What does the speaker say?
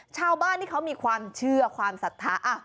ชาวบ้านที่เขามีความเชื่อความศรัทธา